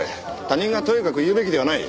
他人がとやかく言うべきではない。